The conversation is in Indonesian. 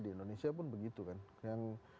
di indonesia pun begitu kan yang